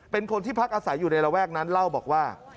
เป็นคนที่พักอาศัยอยู่ในระแวกนั้นเล่าบอกว่า